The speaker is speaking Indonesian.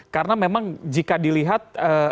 karena memang jika dilihat